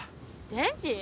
電池？